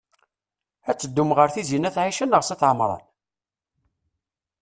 Ad teddum ɣer Tizi n at Ɛica neɣ s at Ɛemṛan?